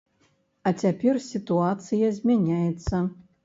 Але цяпер сітуацыя змяняецца.